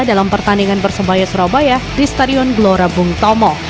dalam pertandingan persebaya surabaya di stadion gelora bung tomo